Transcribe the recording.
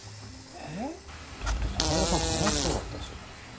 えだって坂井戸さん悲しそうだったし。